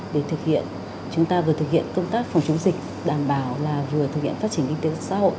để thực hiện chúng ta vừa thực hiện công tác phòng chống dịch đảm bảo là vừa thực hiện phát triển kinh tế xã hội